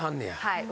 はい。